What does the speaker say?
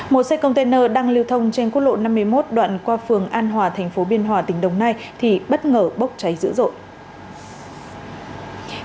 một xe container đang lưu thông trên quốc lộ năm mươi một đoạn qua phường an hòa thành phố biên hòa tỉnh đồng nai thì bất ngờ bốc cháy dữ dội